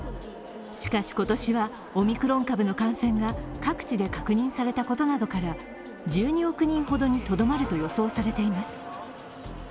しかし、今年はオミクロン株の感染が各地で確認されたことなどから１２億人ほどにとどまると予想されています。